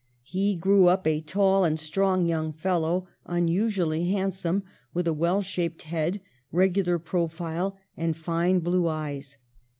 He grew up a tall and strong young fellow, unusually handsome, with a well shaped head, regular profile, and fine blue eyes.